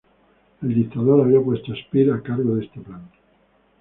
El dictador había puesto a Speer a cargo de este plan.